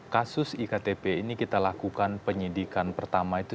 kasus iktp ini kita lakukan penyidikan pertama itu